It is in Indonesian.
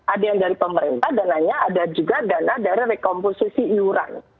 ada yang dari pemerintah dananya ada juga dana dari rekomposisi iuran